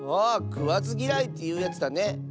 あくわずぎらいというやつだね。